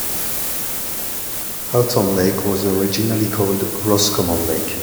Houghton Lake was originally called "Roscommon Lake".